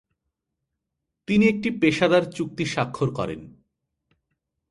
তিনি একটি পেশাদার চুক্তি স্বাক্ষর করেন।